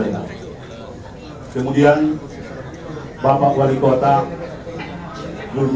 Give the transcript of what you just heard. raja nabalok turbin balok yang hadir pada siang hari ini